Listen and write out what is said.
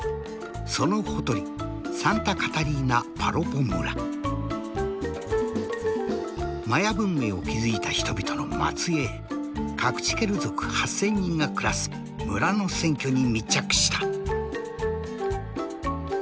そのほとりマヤ文明を築いた人々の末えいカクチケル族８，０００人が暮らす村の選挙に密着した。